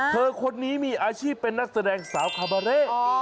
คนนี้มีอาชีพเป็นนักแสดงสาวคาบาเร่